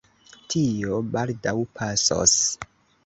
Tio baldaŭ pasos.